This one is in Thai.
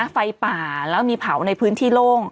ไฟป่าแล้วมีเผาในพื้นที่โล่ง